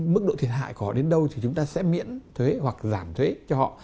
mức độ thiệt hại của họ đến đâu thì chúng ta sẽ miễn thuế hoặc giảm thuế cho họ